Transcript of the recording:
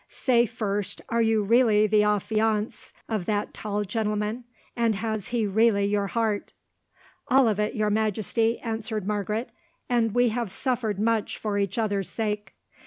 Say, first, are you really the affianced of that tall gentleman, and has he really your heart?" "All of it, your Majesty," answered Margaret, "and we have suffered much for each other's sake."